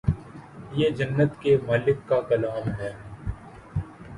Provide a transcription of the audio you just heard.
یہ جنت کے مالک کا کلام ہے